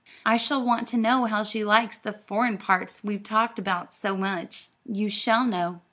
I shall want to know how she likes the 'foreign parts' we've talked about so much." "You shall know.